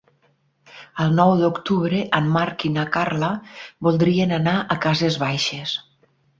El nou d'octubre en Marc i na Carla voldrien anar a Cases Baixes.